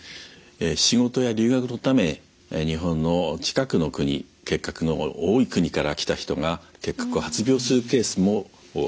仕事や留学のため日本の近くの国結核の多い国から来た人が結核を発病するケースも増えています。